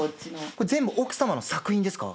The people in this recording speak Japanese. これ全部奥様の作品ですか？